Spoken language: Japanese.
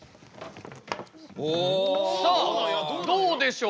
さあどうでしょう。